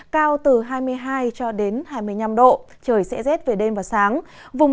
cao từ hai mươi hai cho đến hai mươi năm độ trời sẽ rét về đêm và sáng